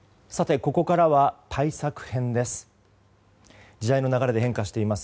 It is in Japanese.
ここからは対策編です。